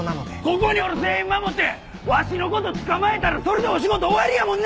ここにおる全員守ってわしの事捕まえたらそれでお仕事終わりやもんな！